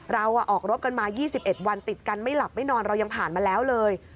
เราออกรบกันมา๒๑วันติดกันไม่หลับไม่นอนเรายังผ่านมาแล้วเลย